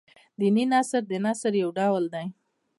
دیني نثر د نثر يو ډول دﺉ.